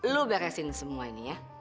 lu beresin semua ini ya